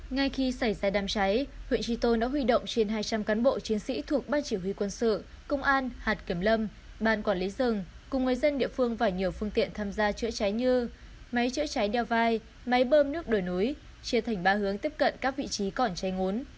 ngay khi xảy ra đám cháy huyện tri tôn đã huy động trên hai trăm linh cán bộ chiến sĩ thuộc ba chỉ huy quân sự công an hạt kiểm lâm ban quản lý rừng cùng người dân địa phương và nhiều phương tiện tham gia chữa cháy như máy chữa cháy đeo vai máy bơm nước đổi núi chia thành ba hướng tiếp cận các vị trí còn cháy ngốn